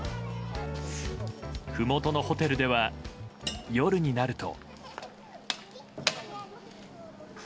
ふもとのホテルでは夜になると。